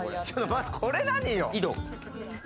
まずこれ何よ。